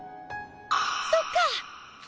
そっか！